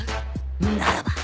ならば！